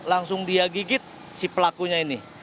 langsung dia gigit si pelakunya ini